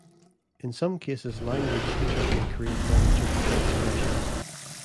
In some cases language features may create many duplicate expressions.